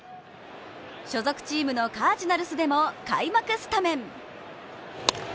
所属チームのカージナルスでも開幕スタメン。